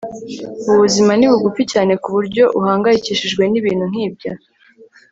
Ubuzima ni bugufi cyane kuburyo uhangayikishwa nibintu nkibyo